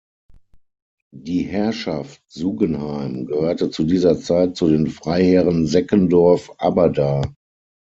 Die Herrschaft Sugenheim gehörte zu dieser Zeit den Freiherren Seckendorff-Aberdar.